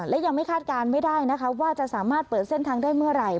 และยังไม่คาดการณ์ไม่ได้นะคะว่าจะสามารถเปิดเส้นทางได้เมื่อไหร่